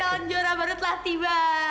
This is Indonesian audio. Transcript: calon juara baru telah tiba